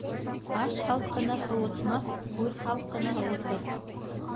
Аш һалҡыны һыуытмаҫ, һүҙ һалҡыны һыуытыр.